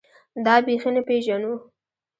دا بېخي نه پېژنو.